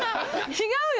違うよ！